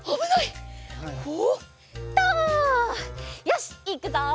よしいくぞ！